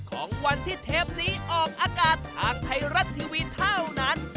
ของวันที่เทปนี้ออกอากาศทางไทยรัฐทีวีเท่านั้น